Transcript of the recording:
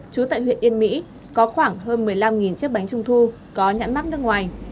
trú tại huyện yên mỹ có khoảng hơn một mươi năm chiếc bánh trung thu có nhãn mắc nước ngoài